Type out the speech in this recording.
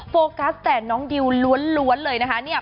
โฟกัสแต่น้องดิวล้วนเลยนะคะเนี่ย